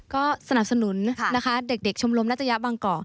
ก็สนับสนุนนะคะเด็กชมรมนัตยะบางกอก